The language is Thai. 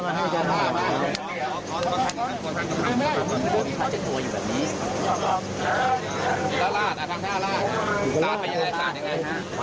ผมตั้งแต่วันนี้๑๙ผมเพิ่งจะได้อยู่กับแฟนผม